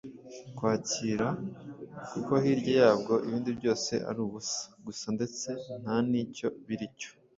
kwakira kuko hirya yabwo ibindi byose ari ubusa gusa ndetse nta n’icyo biri cyo.